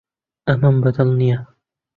ئەمەم بەدڵ نییە.